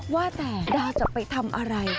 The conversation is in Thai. ว่าแต่ดาจะไปทำอะไร